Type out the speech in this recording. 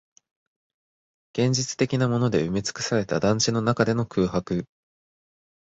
現実的なもので埋めつくされた団地の中での空白